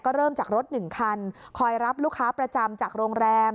เริ่มจากรถ๑คันคอยรับลูกค้าประจำจากโรงแรม